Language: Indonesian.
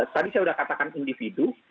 tadi saya sudah katakan individu